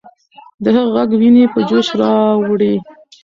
د هغې ږغ ويني په جوش راوړي.